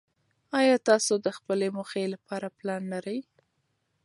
ایا تاسو د خپلې موخې لپاره پلان لرئ؟